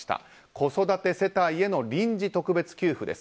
子育て世帯への臨時特別給付です。